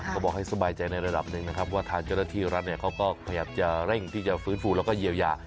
ก็บอกให้สบายใจในระดับหนึ่งนะครับว่าทางเจ้าหน้าที่รัฐเขาก็พยายามจะเร่งที่จะฟื้นฟูแล้วก็เยียวยา